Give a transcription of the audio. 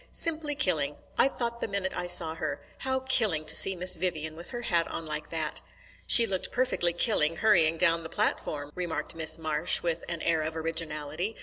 "Simply killing. I thought the minute I saw her: How killing to see Miss Vivian with her hat on like that!" "She looked perfectly killing hurrying down the platform," remarked Miss Marsh, with an air of originality.